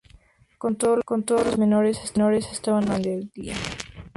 Con todo los ataques menores estaban a la orden del día.